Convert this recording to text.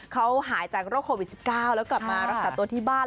เขาหายจากโรคโควิด๑๙แล้วกลับมารักษาตัวที่บ้าน